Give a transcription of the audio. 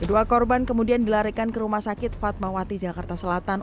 kedua korban kemudian dilarikan ke rumah sakit fatmawati jakarta selatan